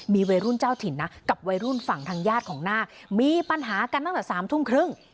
มีวัยรุ่นเจ้าถิ่นนะกับวัยรุ่นฝั่งทางญาติของนาคมีปัญหากันตั้งแต่๓ทุ่มครึ่ง